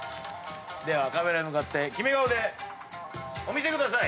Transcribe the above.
ではカメラに向かってキメ顔でお見せください。